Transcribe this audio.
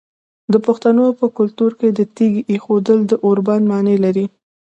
د پښتنو په کلتور کې د تیږې ایښودل د اوربند معنی لري.